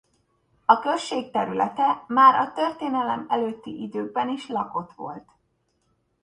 A község területe már a történelem előtti időben is lakott volt.